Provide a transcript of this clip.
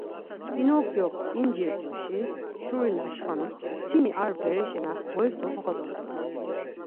Pinokyok incirt̆uşi şuri na şvanums, mtini ar bereşe na goiktu koxotzonu doren.